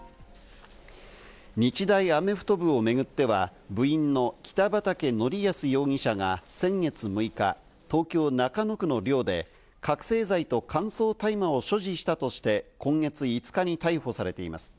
日大アメフト部を巡っては、部員の北畠成文容疑者が先月６日、東京・中野区の寮で覚せい剤と乾燥大麻を所持したとして、今月５日に逮捕されています。